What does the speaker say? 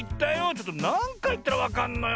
ちょっとなんかいいったらわかんのよ。